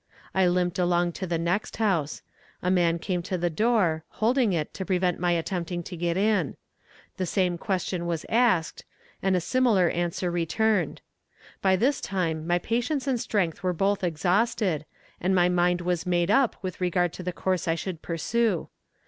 I limped along to the next house. A man came to the door, holding it, to prevent my attempting to get in. The same question was asked, and a similar answer returned. By this time my patience and strength were both exhausted, and my mind was made up with regard to the course I should pursue.